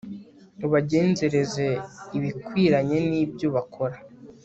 ubagenzereze ibikwiranye n'ibyo bakora